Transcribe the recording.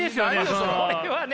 それはね！